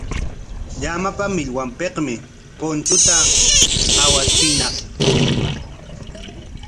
Llamapa millwanpikmi punchunta awachiñaq.